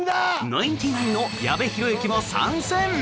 ナインティナインの矢部浩之も参戦！